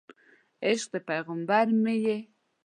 عشق د پیغمبر مې یې